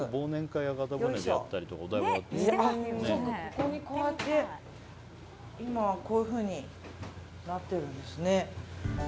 ここに、こうやって今はこういうふうになってるんですね。